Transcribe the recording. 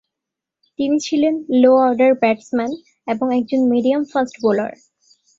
তিনি ছিলেন low order batsman এবং একজন মিডিয়াম ফাস্ট বোলার।